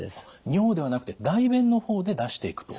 尿ではなくて大便の方で出していくと。